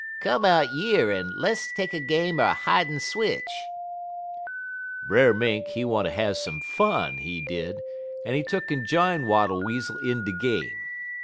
Come out yer en less take a game er hidin' switch.' "Brer Mink, he wanter have some fun, he did, en he tuck'n jine Wattle Weasel in de game.